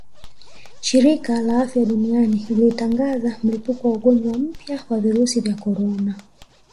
Shirika la Afya Duniani lilitangaza mlipuko wa ugonjwa mpya wa virusi vya korona